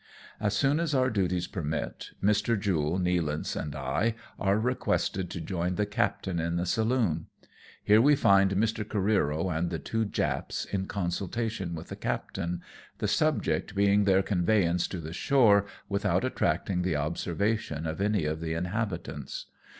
As soon as our duties permit, Mr. Jule, Nealance, and I are requested to join the captain in the saloon. Here we find Mr. Oareero and the two Japs in con sultation with the captain, the subject being their conveyance to the shore without attracting the observation of any of the inhabitants.